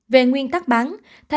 về nguyên tắc bán